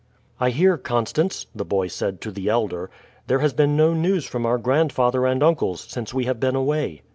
"I hear, Constance," the boy said to the elder, "there has been no news from our grandfather and uncles since we have been away."